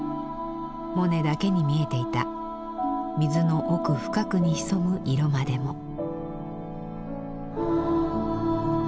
モネだけに見えていた水の奥深くに潜む色までも。